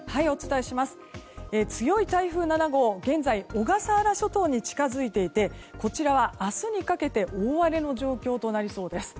強い台風７号現在、小笠原諸島に近づいていてこちらは明日にかけて大荒れの状況となりそうです。